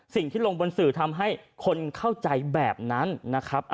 สิ่งที่ลงบนสื่อทำให้คนเข้าใจแบบนั้นนะครับ